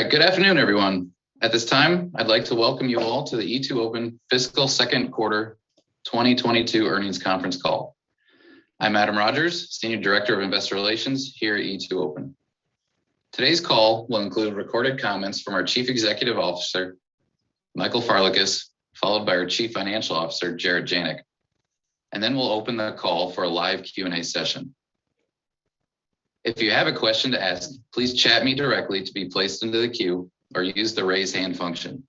All right. Good afternoon, everyone. At this time, I'd like to welcome you all to the E2open Fiscal Second Quarter 2022 Earnings Conference Call. I'm Adam Rogers, Senior Director of Investor Relations here at E2open. Today's call will include recorded comments from our Chief Executive Officer, Michael Farlekas, followed by our Chief Financial Officer, Jarett Janik. Then we'll open the call for a live Q&A session. If you have a question to ask, please chat me directly to be placed into the queue, or use the raise hand function.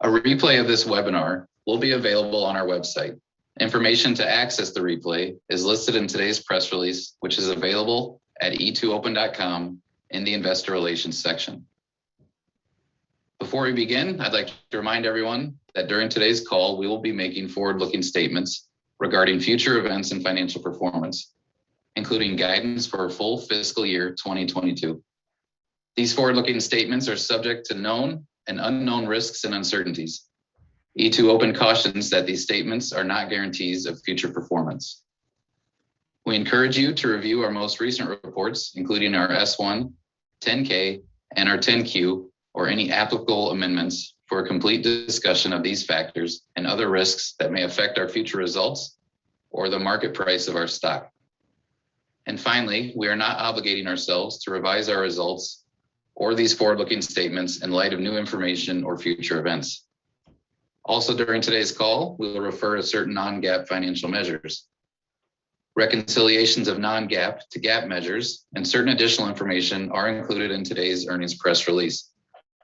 A replay of this webinar will be available on our website. Information to access the replay is listed in today's press release, which is available at e2open.com in the investor relations section. Before we begin, I'd like to remind everyone that during today's call, we will be making forward-looking statements regarding future events and financial performance, including guidance for full fiscal year 2022. These forward-looking statements are subject to known and unknown risks and uncertainties. E2open cautions that these statements are not guarantees of future performance. We encourage you to review our most recent reports, including our S-1, 10-K, and our 10-Q, or any applicable amendments for a complete discussion of these factors and other risks that may affect our future results or the market price of our stock. Finally, we are not obligating ourselves to revise our results or these forward-looking statements in light of new information or future events. Also during today's call, we will refer to certain non-GAAP financial measures. Reconciliations of non-GAAP to GAAP measures and certain additional information are included in today's earnings press release,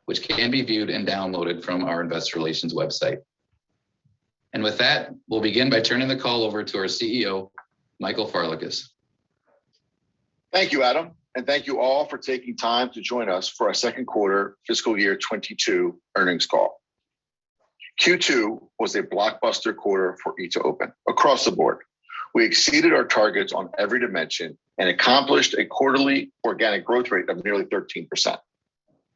which can be viewed and downloaded from our investor relations website. With that, we'll begin by turning the call over to our CEO, Michael Farlekas. Thank you, Adam. Thank you all for taking time to join us for our second quarter fiscal year 2022 earnings call. Q2 was a blockbuster quarter for E2open across the board. We exceeded our targets on every dimension, accomplished a quarterly organic growth rate of nearly 13%.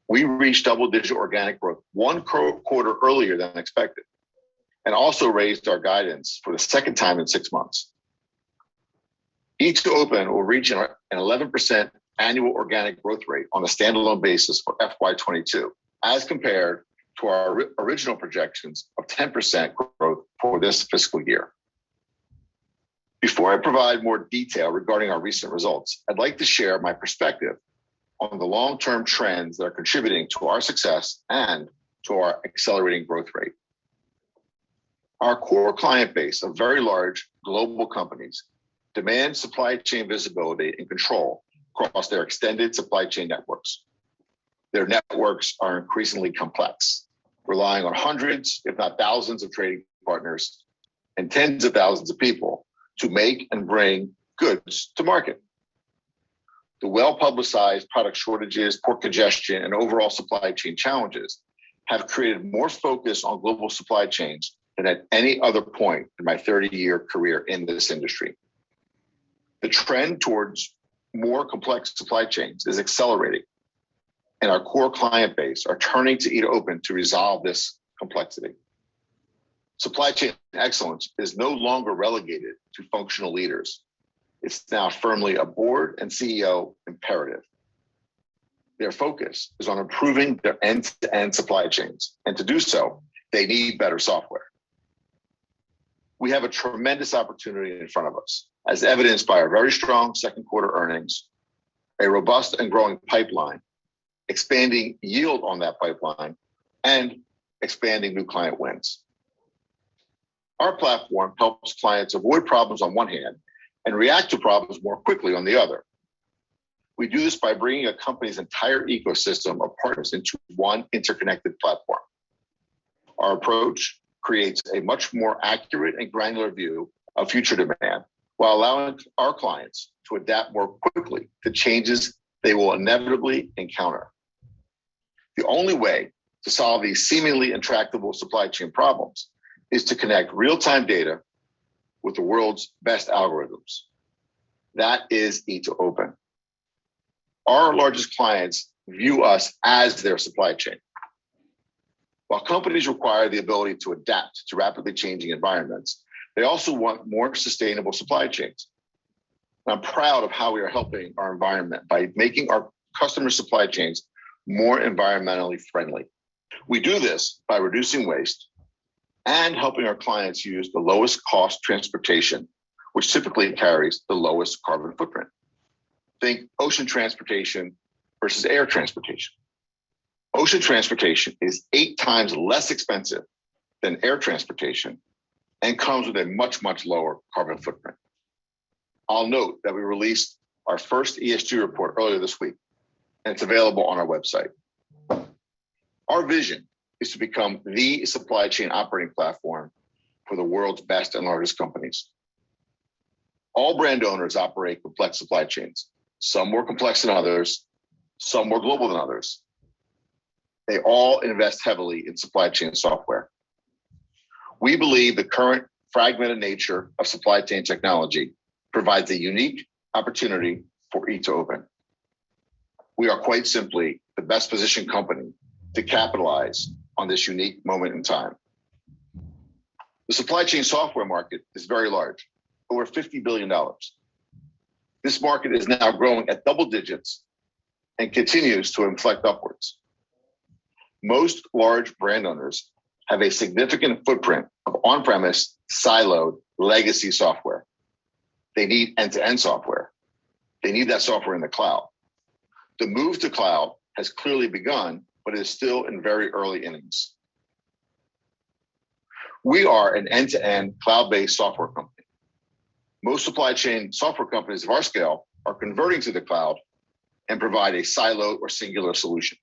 We reached double-digit organic growth one quarter earlier than expected, also raised our guidance for the second time in six months. E2open will reach an 11% annual organic growth rate on a standalone basis for FY 2022 as compared to our original projections of 10% growth for this fiscal year. Before I provide more detail regarding our recent results, I'd like to share my perspective on the long-term trends that are contributing to our success and to our accelerating growth rate. Our core client base of very large global companies demand supply chain visibility and control across their extended supply chain networks. Their networks are increasingly complex, relying on hundreds, if not thousands of trading partners, and tens of thousands of people to make and bring goods to market. The well-publicized product shortages, port congestion, and overall supply chain challenges have created more focus on global supply chains than at any other point in my 30-year career in this industry. The trend towards more complex supply chains is accelerating, and our core client base are turning to E2open to resolve this complexity. Supply chain excellence is no longer relegated to functional leaders. It's now firmly a board and CEO imperative. Their focus is on improving their end-to-end supply chains. To do so, they need better software. We have a tremendous opportunity in front of us, as evidenced by our very strong second quarter earnings, a robust and growing pipeline, expanding yield on that pipeline, and expanding new client wins. Our platform helps clients avoid problems on one hand, and react to problems more quickly on the other. We do this by bringing a company's entire ecosystem of partners into one interconnected platform. Our approach creates a much more accurate and granular view of future demand while allowing our clients to adapt more quickly to changes they will inevitably encounter. The only way to solve these seemingly intractable supply chain problems is to connect real-time data with the world's best algorithms. That is E2open. Our largest clients view us as their supply chain. While companies require the ability to adapt to rapidly changing environments, they also want more sustainable supply chains. I'm proud of how we are helping our environment by making our customers' supply chains more environmentally friendly. We do this by reducing waste and helping our clients use the lowest cost transportation, which typically carries the lowest carbon footprint. Think ocean transportation versus air transportation. Ocean transportation is 8 times less expensive than air transportation and comes with a much lower carbon footprint. I'll note that we released our first ESG report earlier this week, and it's available on our website. Our vision is to become the supply chain operating platform for the world's best and largest companies. All brand owners operate complex supply chains, some more complex than others, some more global than others. They all invest heavily in supply chain software. We believe the current fragmented nature of supply chain technology provides a unique opportunity for E2open. We are quite simply the best positioned company to capitalize on this unique moment in time. The supply chain software market is very large, over $50 billion. This market is now growing at double digits and continues to inflect upwards. Most large brand owners have a significant footprint of on-premise, siloed legacy software. They need end-to-end software. They need that software in the cloud. The move to cloud has clearly begun, but is still in very early innings. We are an end-to-end cloud-based software company. Most supply chain software companies of our scale are converting to the cloud and provide a siloed or singular solution.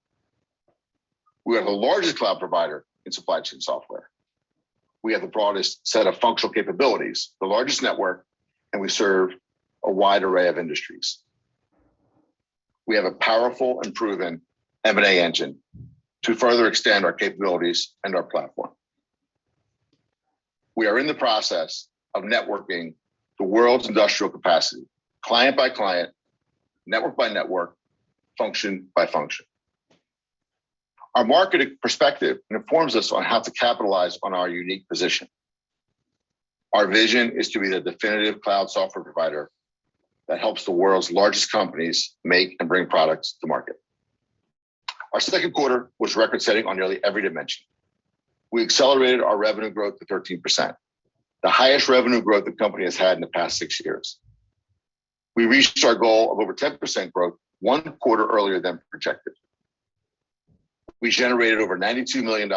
We have the largest cloud provider in supply chain software. We have the broadest set of functional capabilities, the largest network, and we serve a wide array of industries. We have a powerful and proven M&A engine to further extend our capabilities and our platform. We are in the process of networking the world's industrial capacity, client by client, network by network, function by function. Our market perspective informs us on how to capitalize on our unique position. Our vision is to be the definitive cloud software provider that helps the world's largest companies make and bring products to market. Our second quarter was record-setting on nearly every dimension. We accelerated our revenue growth to 13%, the highest revenue growth the company has had in the past 6 years. We reached our goal of over 10% growth one quarter earlier than projected. We generated over $92 million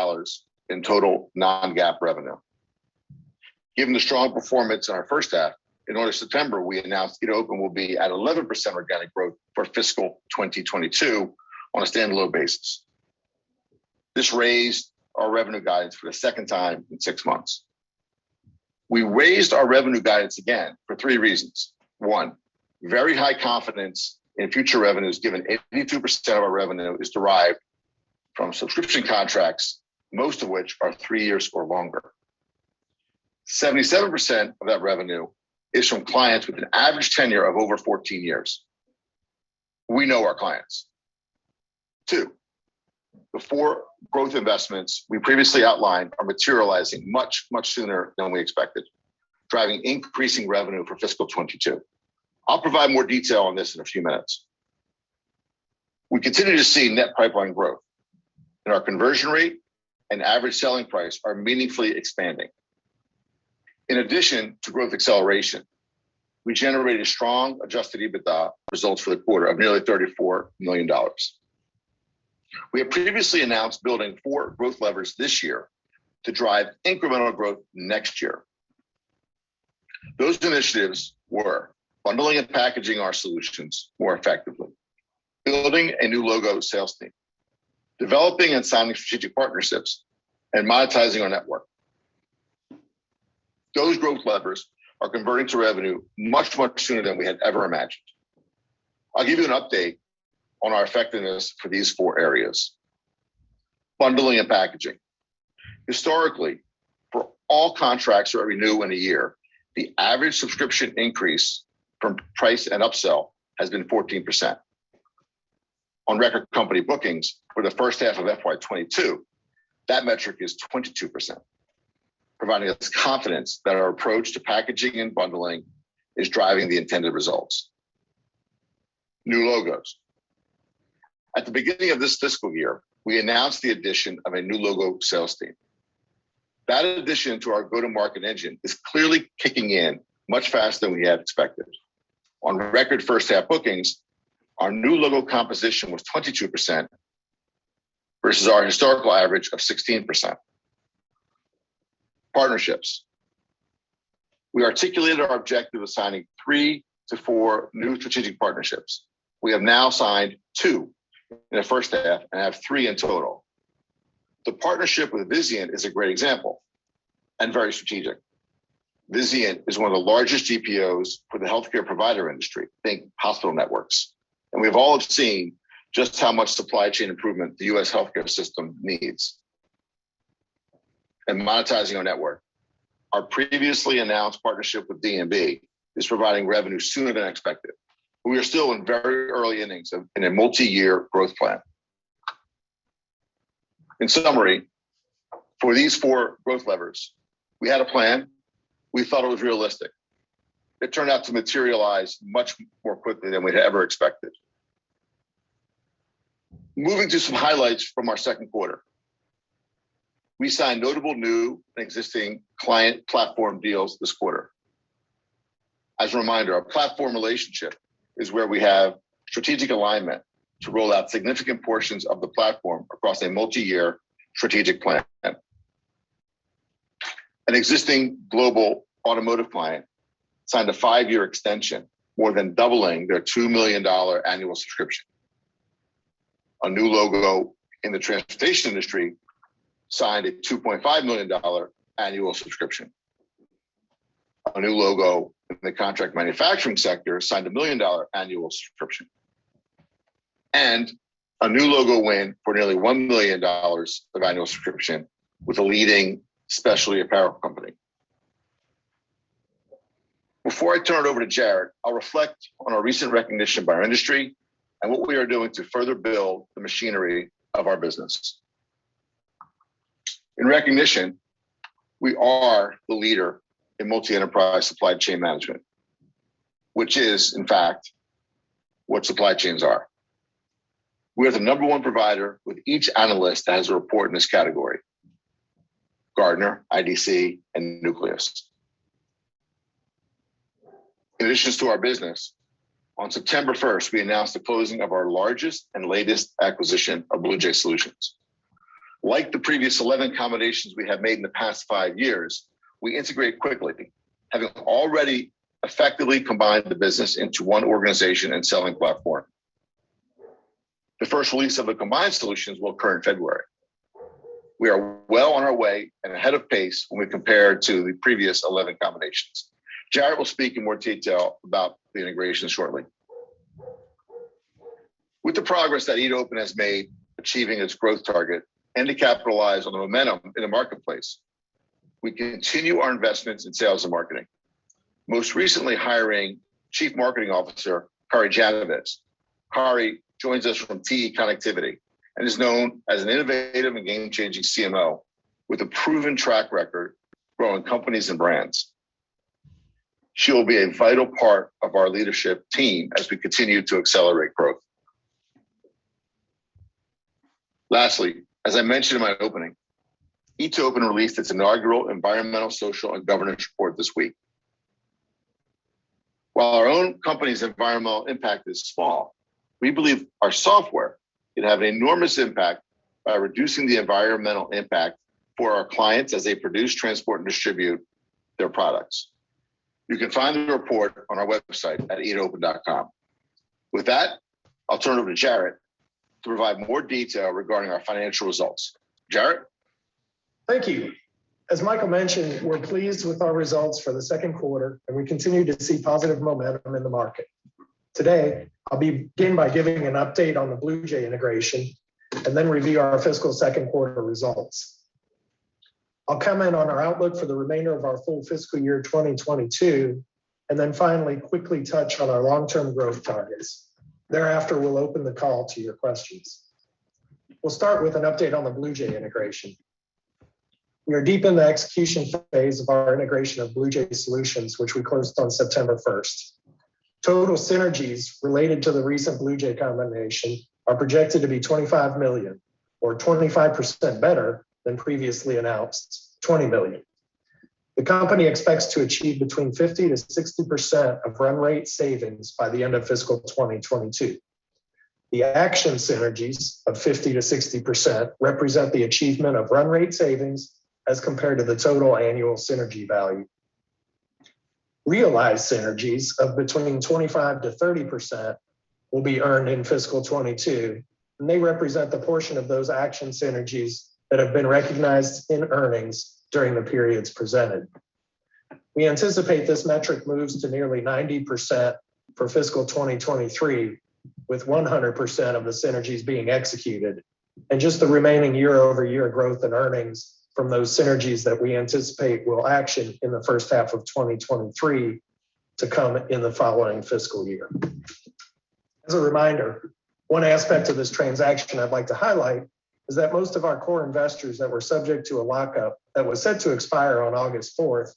in total non-GAAP revenue. Given the strong performance in our first half, in early September, we announced E2open will be at 11% organic growth for fiscal 2022 on a standalone basis. This raised our revenue guidance for the second time in 6 months. We raised our revenue guidance again for three reasons. One, very high confidence in future revenues, given 82% of our revenue is derived from subscription contracts, most of which are three years or longer. 77% of that revenue is from clients with an average tenure of over 14 years. We know our clients. Two, the four growth investments we previously outlined are materializing much, much sooner than we expected, driving increasing revenue for FY 2022. I'll provide more detail on this in a few minutes. We continue to see net pipeline growth. Our conversion rate and average selling price are meaningfully expanding. In addition to growth acceleration, we generated strong Adjusted EBITDA results for the quarter of nearly $34 million. We have previously announced building four growth levers this year to drive incremental growth next year. Those initiatives were bundling and packaging our solutions more effectively, building a new logo sales team, developing and signing strategic partnerships, and monetizing our network. Those growth levers are converting to revenue much, much sooner than we had ever imagined. I'll give you an update on our effectiveness for these four areas. Bundling and packaging. Historically, for all contracts that renew in a year, the average subscription increase from price and upsell has been 14%. On record company bookings for the first half of FY 2022, that metric is 22%, providing us confidence that our approach to packaging and bundling is driving the intended results. New logos. At the beginning of this fiscal year, we announced the addition of a new logo sales team. That addition to our go-to-market engine is clearly kicking in much faster than we had expected. On record first half bookings, our new logo composition was 22% versus our historical average of 16%. Partnerships. We articulated our objective of signing three to four new strategic partnerships. We have now signed two in the first half and have three in total. The partnership with Vizient is a great example and very strategic. Vizient is one of the largest GPOs for the healthcare provider industry. Think hospital networks. We've all seen just how much supply chain improvement the U.S. healthcare system needs. Monetizing our network. Our previously announced partnership with D&B is providing revenue sooner than expected. We are still in very early innings of in a multi-year growth plan. In summary, for these four growth levers, we had a plan. We thought it was realistic. It turned out to materialize much more quickly than we'd ever expected. Moving to some highlights from our second quarter. We signed notable new and existing client platform deals this quarter. As a reminder, our platform relationship is where we have strategic alignment to roll out significant portions of the platform across a multi-year strategic plan. An existing global automotive client signed a five-year extension, more than doubling their $2 million annual subscription. A new logo in the transportation industry signed a $2.5 million annual subscription. A new logo in the contract manufacturing sector signed a million-dollar annual subscription. A new logo win for nearly $1 million of annual subscription with a leading specialty apparel company. Before I turn it over to Jarett, I'll reflect on our recent recognition by our industry and what we are doing to further build the machinery of our business. In recognition, we are the leader in multi-enterprise supply chain management, which is, in fact, what supply chains are. We are the number one provider with each analyst that has a report in this category, Gartner, IDC, and Nucleus. In addition to our business, on September 1, we announced the closing of our largest and latest acquisition of BluJay Solutions. Like the previous 11 accommodations we have made in the past five years, we integrate quickly, having already effectively combined the business into 1 organization and selling platform. The first release of the combined solutions will occur in February. We are well on our way and ahead of pace when we compare to the previous 11 combinations. Jarett will speak in more detail about the integration shortly. With the progress that E2open has made achieving its growth target and to capitalize on the momentum in the marketplace, we continue our investments in sales and marketing, most recently hiring Chief Marketing Officer, Kari Janowicz. Kari joins us from TE Connectivity and is known as an innovative and game-changing CMO with a proven track record growing companies and brands. She will be a vital part of our leadership team as we continue to accelerate growth. Lastly, as I mentioned in my opening, E2open released its inaugural environmental, social, and governance report this week. While our own company's environmental impact is small, we believe our software can have an enormous impact by reducing the environmental impact for our clients as they produce, transport, and distribute their products. You can find the report on our website at e2open.com. With that, I'll turn it over to Jarett to provide more detail regarding our financial results. Jarett? Thank you. As Michael mentioned, we're pleased with our results for the second quarter, and we continue to see positive momentum in the market. I'll begin by giving an update on the BluJay integration, and then review our fiscal second quarter results. I'll comment on our outlook for the remainder of our full fiscal year 2022, and then finally, quickly touch on our long-term growth targets. Thereafter, we'll open the call to your questions. We'll start with an update on the BluJay integration. We are deep in the execution phase of our integration of BluJay Solutions, which we closed on September 1. Total synergies related to the recent BluJay combination are projected to be $25 million, or 25% better than previously announced $20 million. The company expects to achieve between 50%-60% of run rate savings by the end of fiscal 2022. The action synergies of 50%-60% represent the achievement of run rate savings as compared to the total annual synergy value. Realized synergies of between 25%-30% will be earned in fiscal 2022, and they represent the portion of those action synergies that have been recognized in earnings during the periods presented. We anticipate this metric moves to nearly 90% for fiscal 2023, with 100% of the synergies being executed, and just the remaining year-over-year growth and earnings from those synergies that we anticipate will action in the first half of 2023 to come in the following fiscal year. As a reminder, one aspect of this transaction I'd like to highlight is that most of our core investors that were subject to a lockup that was set to expire on August 4,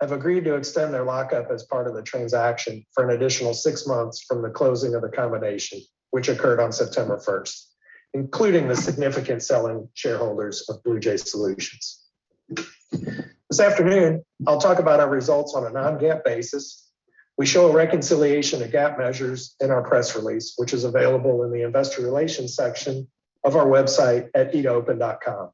have agreed to extend their lockup as part of the transaction for an additional six months from the closing of the combination, which occurred on September 1st, including the significant selling shareholders of BluJay Solutions. This afternoon, I'll talk about our results on a non-GAAP basis. We show a reconciliation of GAAP measures in our press release, which is available in the investor relations section of our website at e2open.com.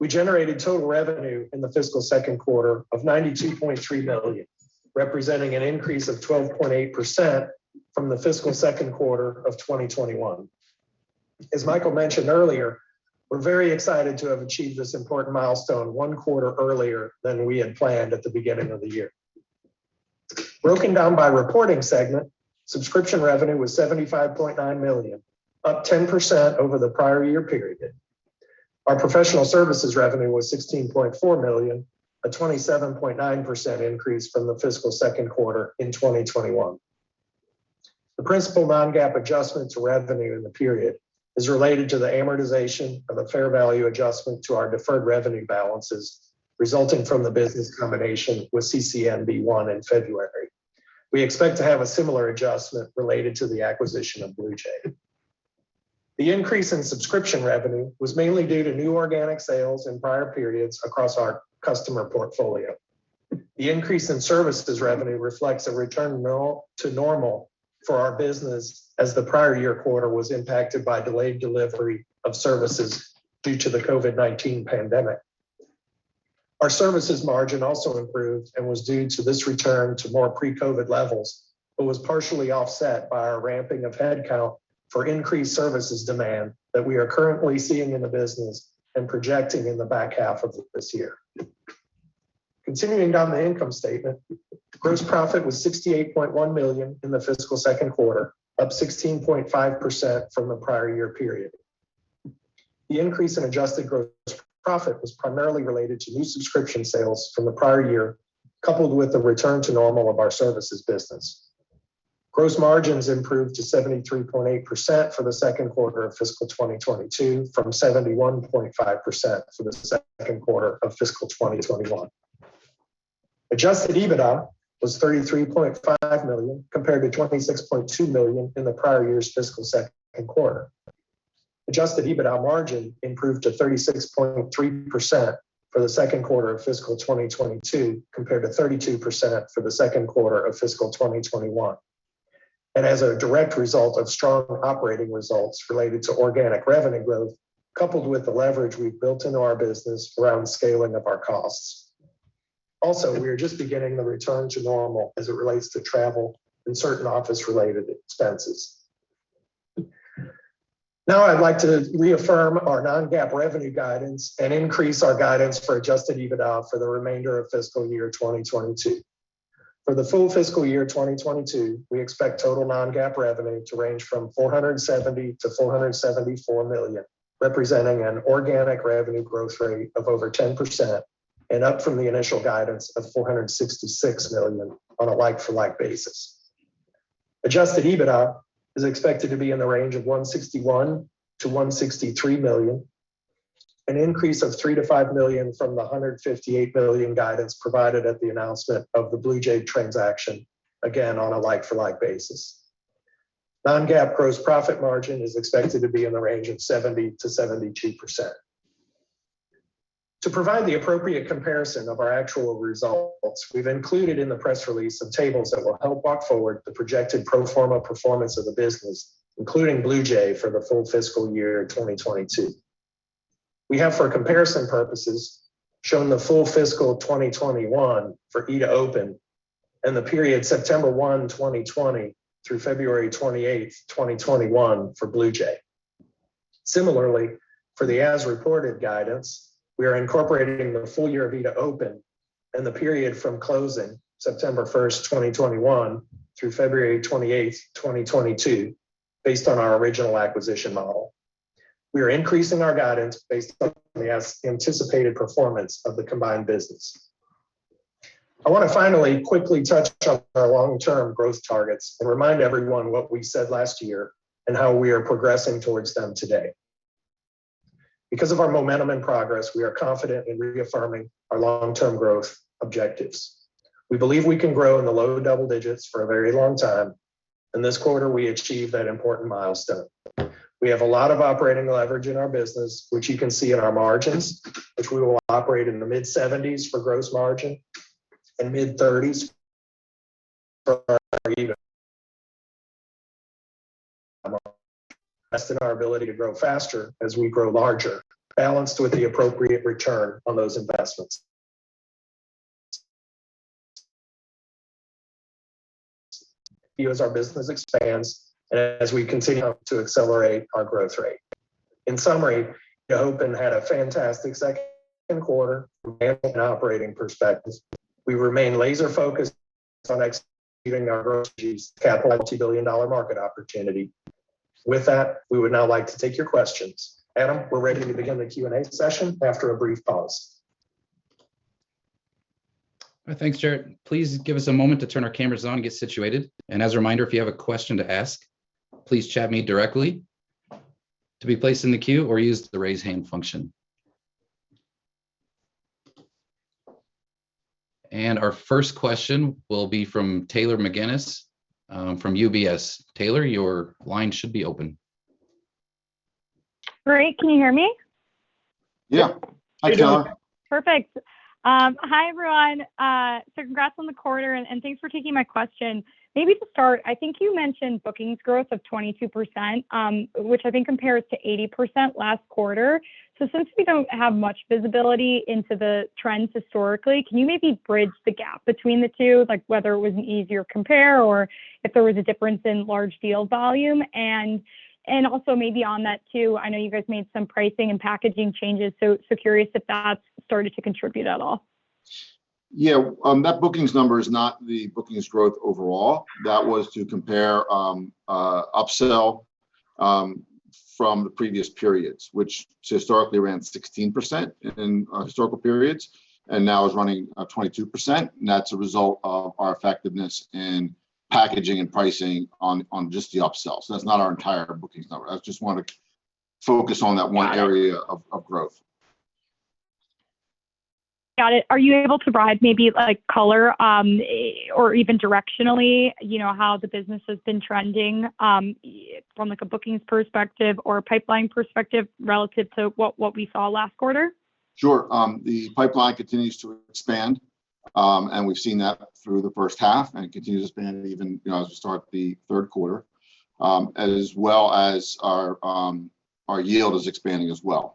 We generated total revenue in the fiscal second quarter of $92.3 million, representing an increase of 12.8% from the fiscal second quarter of 2021. As Michael mentioned earlier, we're very excited to have achieved this important milestone one quarter earlier than we had planned at the beginning of the year. Broken down by reporting segment, subscription revenue was $75.9 million, up 10% over the prior year period. Our professional services revenue was $16.4 million, a 27.9% increase from the fiscal second quarter in 2021. The principal non-GAAP adjustment to revenue in the period is related to the amortization of a fair value adjustment to our deferred revenue balances resulting from the business combination with CC Neuberger Principal Holdings I in February. We expect to have a similar adjustment related to the acquisition of BluJay. The increase in subscription revenue was mainly due to new organic sales in prior periods across our customer portfolio. The increase in services revenue reflects a return to normal for our business, as the prior year quarter was impacted by delayed delivery of services due to the COVID-19 pandemic. Our services margin also improved and was due to this return to more pre-COVID levels, but was partially offset by our ramping of headcount for increased services demand that we are currently seeing in the business and projecting in the back half of this year. Continuing down the income statement, gross profit was $68.1 million in the fiscal second quarter, up 16.5% from the prior year period. The increase in adjusted gross profit was primarily related to new subscription sales from the prior year, coupled with the return to normal of our services business. Gross margins improved to 73.8% for the second quarter of fiscal 2022 from 71.5% for the second quarter of fiscal 2021. Adjusted EBITDA was $33.5 million, compared to $26.2 million in the prior year's fiscal second quarter. Adjusted EBITDA margin improved to 36.3% for the second quarter of fiscal 2022, compared to 32% for the second quarter of fiscal 2021. As a direct result of strong operating results related to organic revenue growth, coupled with the leverage we've built into our business around scaling of our costs. We are just beginning the return to normal as it relates to travel and certain office-related expenses. I'd like to reaffirm our non-GAAP revenue guidance and increase our guidance for Adjusted EBITDA for the remainder of fiscal year 2022. For the full fiscal year 2022, we expect total non-GAAP revenue to range from $470 million-$474 million, representing an organic revenue growth rate of over 10%, and up from the initial guidance of $466 million on a like-for-like basis. Adjusted EBITDA is expected to be in the range of $161 million-$163 million, an increase of $3 million-$5 million from the $158 million guidance provided at the announcement of the BluJay transaction, again, on a like-for-like basis. Non-GAAP Gross Profit Margin is expected to be in the range of 70%-72%. To provide the appropriate comparison of our actual results, we've included in the press release some tables that will help walk forward the projected pro forma performance of the business, including BluJay, for the full fiscal year 2022. We have, for comparison purposes, shown the full fiscal 2021 for E2open and the period September 1, 2020 through February 28, 2021 for BluJay. Similarly, for the as-reported guidance, we are incorporating the full year of E2open and the period from closing September 1, 2021 through February 28, 2022, based on our original acquisition model. We are increasing our guidance based on the anticipated performance of the combined business. I want to finally quickly touch on our long-term growth targets and remind everyone what we said last year and how we are progressing towards them today. Because of our momentum and progress, we are confident in reaffirming our long-term growth objectives. We believe we can grow in the low double digits for a very long time. In this quarter, we achieved that important milestone. We have a lot of operating leverage in our business, which you can see in our margins, which we will operate in the mid-70s% for gross margin and mid-30s% for our EBITDA. Invest in our ability to grow faster as we grow larger, balanced with the appropriate return on those investments, as our business expands and as we continue to accelerate our growth rate. In summary, E2open had a fantastic second quarter from an operating perspective. We remain laser-focused on executing our $1.2 billion market opportunity. With that, we would now like to take your questions. Adam, we're ready to begin the Q&A session after a brief pause. Thanks, Jarrett. Please give us a moment to turn our cameras on and get situated. As a reminder, if you have a question to ask, please chat me directly to be placed in the queue or use the raise hand function. Our first question will be from Taylor McGinnis, from UBS. Taylor, your line should be open. Great. Can you hear me? Yeah. Hi, Taylor. Perfect. Hi, everyone. Congrats on the quarter, and thanks for taking my question. Maybe to start, I think you mentioned bookings growth of 22%, which I think compares to 80% last quarter. Since we don't have much visibility into the trends historically, can you maybe bridge the gap between the two, like whether it was an easier compare or if there was a difference in large deal volume? Also maybe on that too, I know you guys made some pricing and packaging changes, so curious if that's started to contribute at all. Yeah. That bookings number is not the bookings growth overall. That was to compare upsell from the previous periods, which historically ran 16% in historical periods and now is running at 22%. That's a result of our effectiveness in packaging and pricing on just the upsells. That's not our entire bookings number. I just want to focus on that one area of growth. Got it. Are you able to provide maybe color, or even directionally, how the business has been trending from a bookings perspective or pipeline perspective relative to what we saw last quarter? Sure. The pipeline continues to expand, and we've seen that through the first half, and it continues to expand even as we start the third quarter. As well as our yield is expanding as well.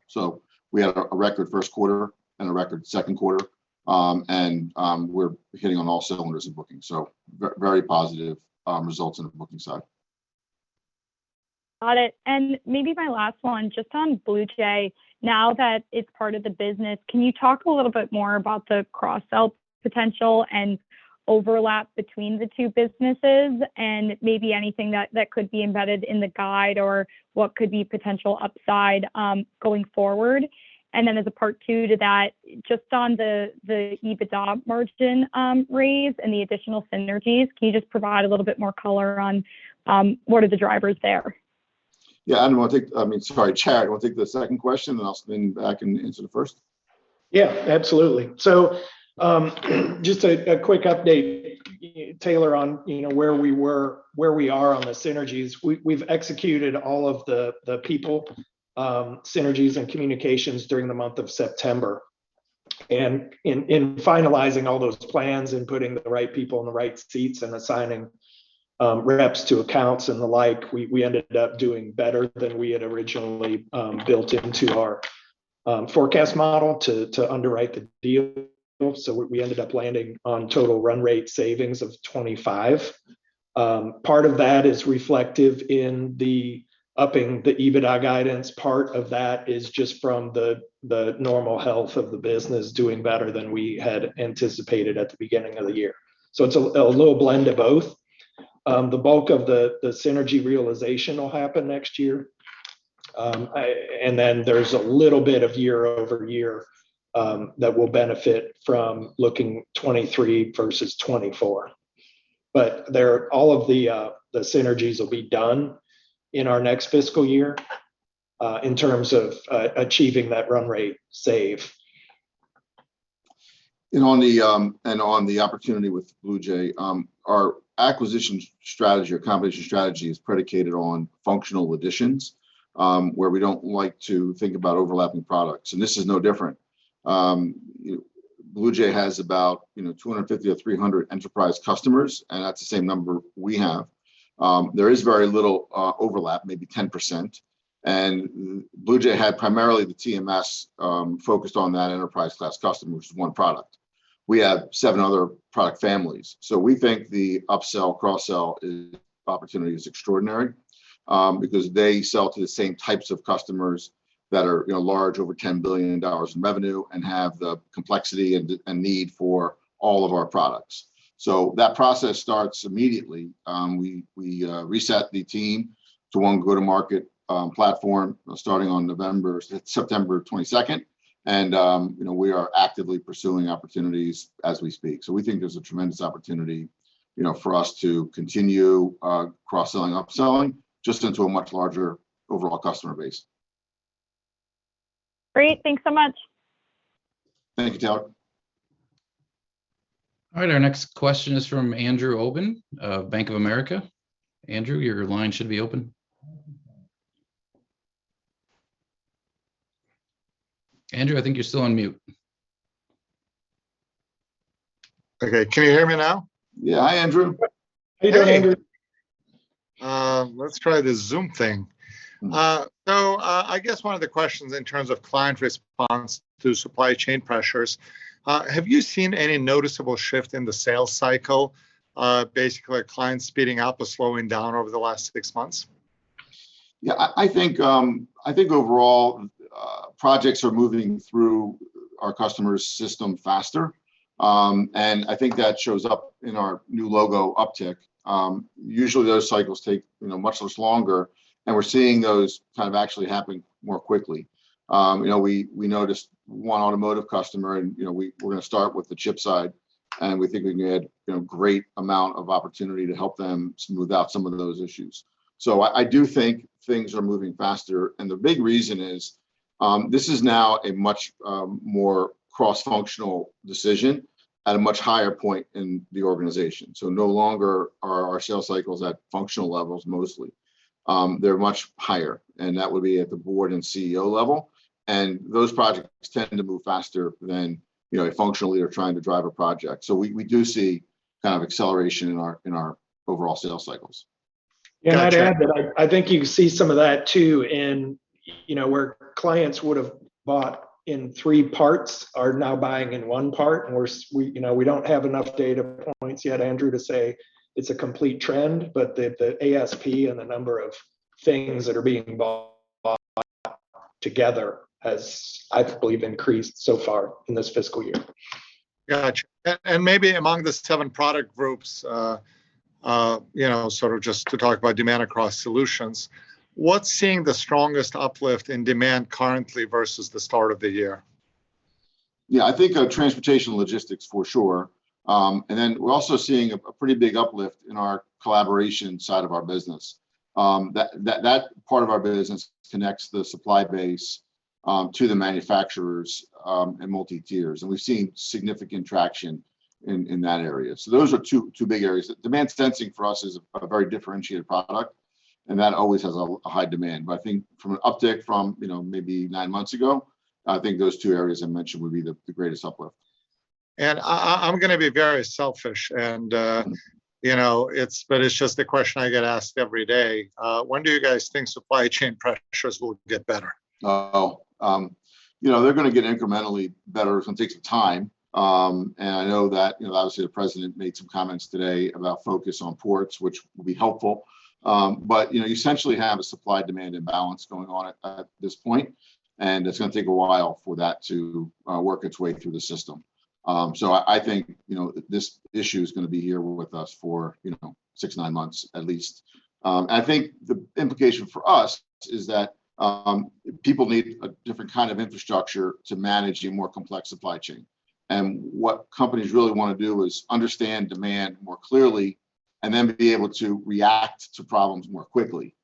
We had a record first quarter and a record second quarter, and we're hitting on all cylinders in bookings, so very positive results on the bookings side. Got it. Maybe my last one, just on BluJay, now that it's part of the business, can you talk a little bit more about the cross-sell potential and overlap between the two businesses, and maybe anything that could be embedded in the guide or what could be potential upside going forward? Then as a part two to that, just on the EBITDA margin raise and the additional synergies, can you just provide a little bit more color on what are the drivers there? Yeah. I mean, sorry, Jarett, you want to take the second question, and I'll swing back and answer the first? Absolutely. Just a quick update, Taylor, on where we are on the synergies. We've executed all of the people synergies and communications during the month of September. In finalizing all those plans and putting the right people in the right seats and assigning reps to accounts and the like, we ended up doing better than we had originally built into our forecast model to underwrite the deal. We ended up landing on total run rate savings of $25 million. Part of that is reflective in the upping the EBITDA guidance. Part of that is just from the normal health of the business doing better than we had anticipated at the beginning of the year. It's a little blend of both. The bulk of the synergy realization will happen next year. There's a little bit of year-over-year that will benefit from looking 2023 versus 2024. All of the synergies will be done in our next fiscal year in terms of achieving that run rate save. On the opportunity with BluJay, our acquisition strategy or combination strategy is predicated on functional additions, where we don't like to think about overlapping products, and this is no different. BluJay has about 250 or 300 enterprise customers, and that's the same number we have. There is very little overlap, maybe 10%, and BluJay had primarily the TMS focused on that enterprise class customer, which is one product. We have seven other product families. We think the up-sell, cross-sell opportunity is extraordinary, because they sell to the same types of customers that are large, over $10 billion in revenue, and have the complexity and need for all of our products. That process starts immediately. We reset the team to one go-to-market platform starting on September 22, and we are actively pursuing opportunities as we speak. We think there's a tremendous opportunity for us to continue cross-selling, up-selling, just into a much larger overall customer base. Great. Thanks so much. Thank you, Taylor. All right, our next question is from Andrew Appel of Bank of America. Andrew, your line should be open. Andrew, I think you're still on mute. Okay. Can you hear me now? Yeah. Hi, Andrew. How you doing, Andrew? Let's try this Zoom thing. I guess one of the questions in terms of client response to supply chain pressures, have you seen any noticeable shift in the sales cycle? Basically, are clients speeding up or slowing down over the last six months? Yeah, I think overall, projects are moving through our customers' system faster. I think that shows up in our new logo uptick. Usually those cycles take much longer. We're seeing those kind of actually happen more quickly. We noticed one automotive customer. We're going to start with the chip side. We think we can add great amount of opportunity to help them smooth out some of those issues. I do think things are moving faster. The big reason is, this is now a much more cross-functional decision at a much higher point in the organization. No longer are our sales cycles at functional levels mostly. They're much higher. That would be at the board and CEO level. Those projects tend to move faster than a functional leader trying to drive a project. We do see kind of acceleration in our overall sales cycles. I'd add that I think you see some of that, too, in where clients would've bought in three parts are now buying in one part, and we don't have enough data points yet, Andrew, to say it's a complete trend, but the ASP and the number of things that are being bought together has, I believe, increased so far in this fiscal year. Got you. Maybe among the seven product groups, sort of just to talk about demand across solutions, what's seeing the strongest uplift in demand currently versus the start of the year? Yeah, I think our transportation logistics for sure. Then we're also seeing a pretty big uplift in our collaboration side of our business. That part of our business connects the supply base to the manufacturers and multi-tiers, and we've seen significant traction in that area. Those are two big areas. Demand sensing for us is a very differentiated product, and that always has a high demand. I think from an uptick from maybe nine months ago, I think those two areas I mentioned would be the greatest uplift. I'm going to be very selfish. It's just a question I get asked every day. When do you guys think supply chain pressures will get better? Oh. They're going to get incrementally better. It's going to take some time. I know that obviously the president made some comments today about focus on ports, which will be helpful. You essentially have a supply-demand imbalance going on at this point, and it's going to take a while for that to work its way through the system. I think this issue is going to be here with us for six to nine months at least. I think the implication for us is that people need a different kind of infrastructure to manage a more complex supply chain. What companies really want to do is understand demand more clearly and then be able to react to problems more quickly.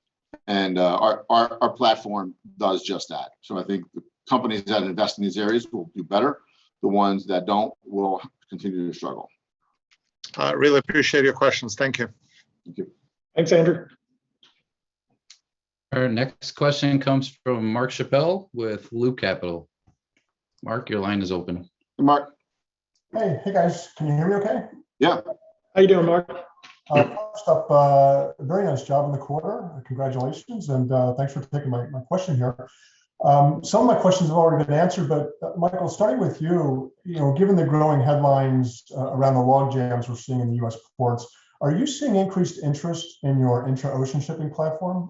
Our platform does just that. I think the companies that invest in these areas will do better. The ones that don't will continue to struggle. I really appreciate your questions. Thank you. Thank you. Thanks, Andrew. Our next question comes from Mark Schappel with Loop Capital. Mark, your line is open. Mark. Hey, guys. Can you hear me okay? Yeah. How you doing, Mark? First up, very nice job on the quarter. Congratulations, and thanks for taking my question here. Some of my questions have already been answered, but Michael, starting with you, given the growing headlines around the logjams we're seeing in the U.S. ports, are you seeing increased interest in your intra-ocean shipping platform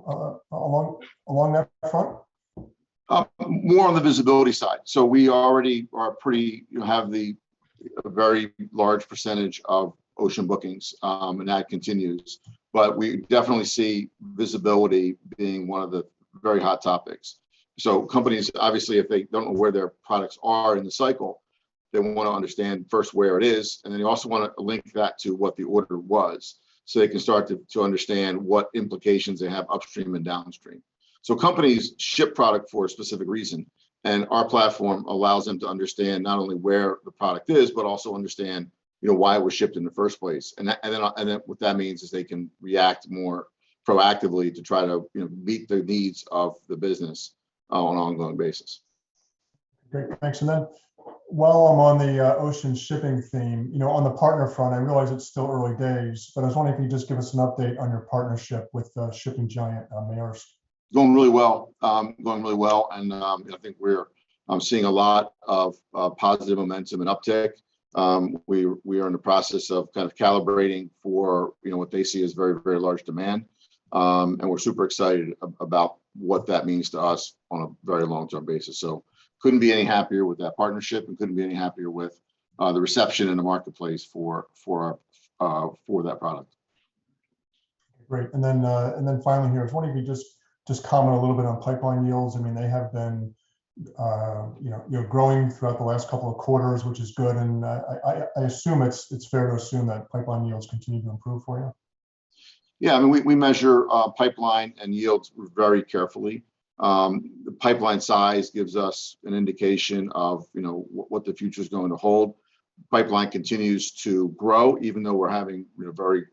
along that front? More on the visibility side. We already have the very large percentage of ocean bookings, and that continues. We definitely see visibility being one of the very hot topics. Companies, obviously, if they don't know where their products are in the cycle, they want to understand first where it is, and then they also want to link that to what the order was so they can start to understand what implications they have upstream and downstream. Companies ship product for a specific reason, and our platform allows them to understand not only where the product is, but also understand why it was shipped in the first place. What that means is they can react more proactively to try to meet the needs of the business on an ongoing basis. Great. Thanks. Then while I'm on the ocean shipping theme, on the partner front, I realize it's still early days, but I was wondering if you could just give us an update on your partnership with shipping giant Maersk. It's going really well, and I think we're seeing a lot of positive momentum and uptick. We are in the process of kind of calibrating for what they see as very large demand. We're super excited about what that means to us on a very long-term basis. Couldn't be any happier with that partnership and couldn't be any happier with the reception in the marketplace for that product. Great. Finally here, I was wondering if you could just comment a little bit on pipeline yields. They have been growing throughout the last couple of quarters, which is good, and I assume it's fair to assume that pipeline yields continue to improve for you. Yeah, we measure pipeline and yields very carefully. The pipeline size gives us an indication of what the future's going to hold. Pipeline continues to grow, even though we're having very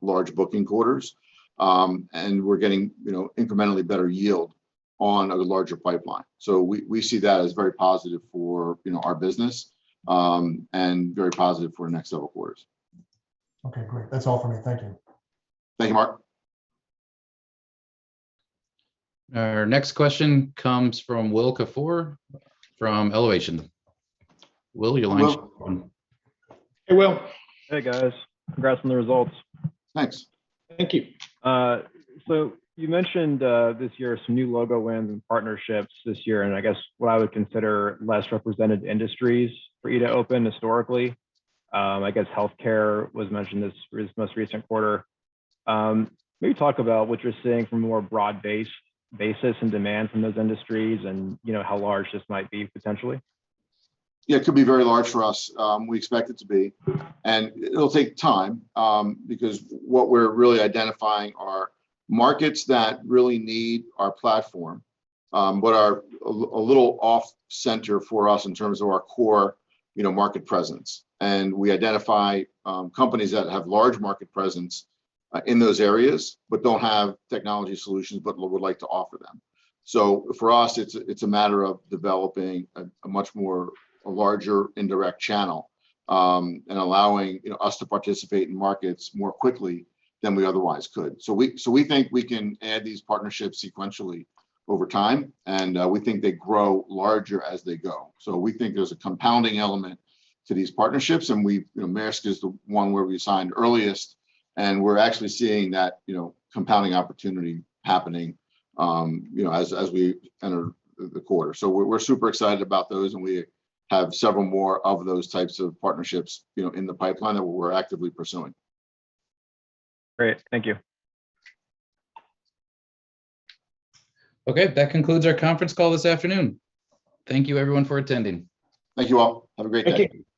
large booking quarters. We're getting incrementally better yield on a larger pipeline. We see that as very positive for our business, and very positive for the next several quarters. Okay, great. That's all for me. Thank you. Thank you, Mark. Our next question comes from Will Kafoure from Elevation. Will, your line is open. Hey, Will. Hey, guys. Congrats on the results. Thanks. Thank you. You mentioned this year some new logo wins and partnerships this year, and I guess what I would consider less represented industries for E2open historically. I guess healthcare was mentioned this most recent quarter. Maybe talk about what you're seeing from more broad basis in demand from those industries and how large this might be potentially? Yeah, it could be very large for us. We expect it to be. It'll take time, because what we're really identifying are markets that really need our platform, but are a little off-center for us in terms of our core market presence. We identify companies that have large market presence in those areas, but don't have technology solutions, but would like to offer them. For us, it's a matter of developing a much more larger indirect channel, and allowing us to participate in markets more quickly than we otherwise could. We think we can add these partnerships sequentially over time, and we think they grow larger as they go. We think there's a compounding element to these partnerships, and Maersk is the one where we signed earliest, and we're actually seeing that compounding opportunity happening as we enter the quarter. We're super excited about those, and we have several more of those types of partnerships in the pipeline that we're actively pursuing. Great. Thank you. Okay. That concludes our conference call this afternoon. Thank you everyone for attending. Thank you all. Have a great day. Thank you.